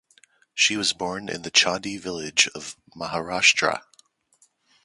She was born in the Chaundi village in Maharashtra.